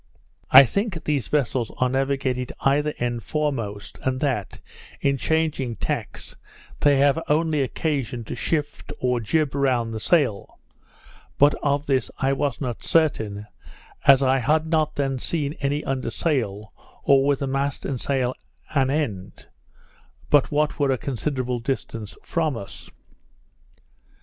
I think these vessels are navigated either end foremost, and that, in changing tacks, they have only occasion to shift or jib round the sail; but of this I was not certain, as I had not then seen any under sail, or with the mast and sail an end, but what were a considerable distance from us.